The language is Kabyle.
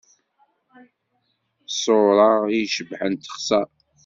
Ṣṣura i icebḥen texṣer.